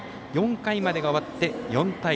４回までが終わって４対０